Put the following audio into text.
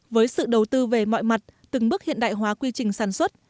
với sự đầu tư về mọi mặt từng bước hiện đại hóa quy trình sản xuất